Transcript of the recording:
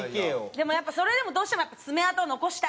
でもやっぱそれでもどうしても爪痕を残したい。